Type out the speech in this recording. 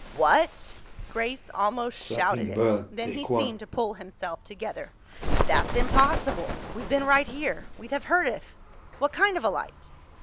"What?" Grace almost shouted it. Then he seemed to pull himself together. "That's impossible. We've been right here. We'd have heard if—What kind of a light?"